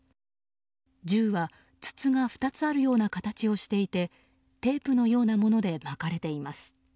銃は筒が２つあるような形をしていてテープのようなもので巻かれています。